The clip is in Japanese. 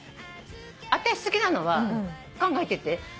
私好きなのは考えてて。